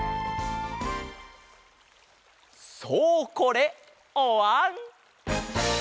そうこれおわん！